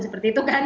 seperti itu kan